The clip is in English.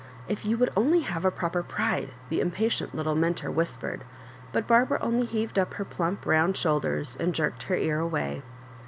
" If you would only have a proper pride 1" the impatient little mentor whispered ; but Bar bara only heaved up her plump round shoulders, and jerked her ear away.